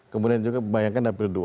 kemudian juga bayangkan dapil dua